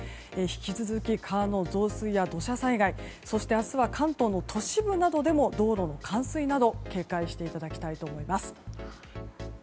引き続き、川の増水や土砂災害そして明日は関東の都市部などでも道路の冠水などに警戒していただきたいと思います。